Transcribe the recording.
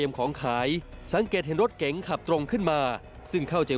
พวกเขาจะถามว่าใครกูธร็า